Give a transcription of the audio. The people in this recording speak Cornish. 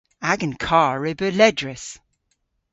Agan karr re beu ledrys.